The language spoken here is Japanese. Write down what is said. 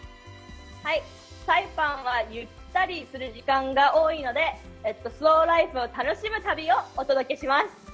サイパンはゆったりする時間が多いのでスローライフを楽しむ旅をお届けします。